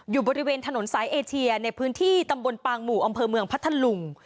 อยู่บริเวณถนนสายเอเชียในพื้นที่ตำบลปางหมู่อำเภอเมืองพัทธลุง